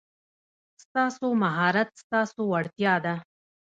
ستاسو مهارت ستاسو وړتیا ده.